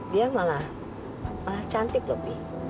dia malah malah cantik lopi